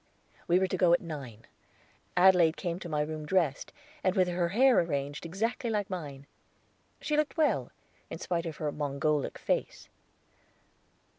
We were to go at nine. Adelaide came to my room dressed, and with her hair arranged exactly like mine. She looked well, in spite of her Mongolic face.